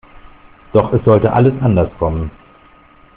Doch es sollte alles anders kommen.